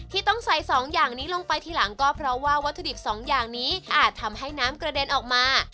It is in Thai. ที่ต้องใส่สองอย่างนี้ลงไปทีหลังก็เพราะว่าวัตถุดิบสองอย่างนี้อาจทำให้น้ำกระเด็นออกมา